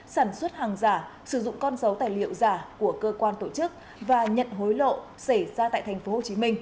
sản xuất hàng giả sử dụng con dấu tài liệu giả của cơ quan tổ chức và nhận hối lộ xảy ra tại tp hcm